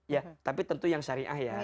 ya tapi tentu yang syariah ya